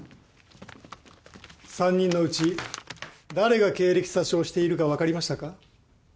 ３人のうち誰が経歴詐称しているか分かりましたか？